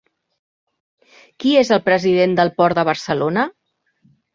Qui és el president del Port de Barcelona?